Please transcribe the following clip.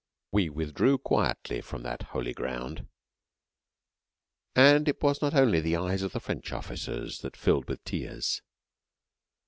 We withdrew quietly from that holy ground, and it was not only the eyes of the French officers that filled with tears.